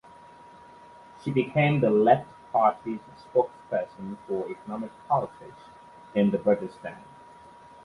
She became the Left Party's spokesperson for economic politics in the Bundestag.